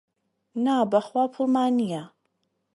نا بەخوا پووڵمان نییە.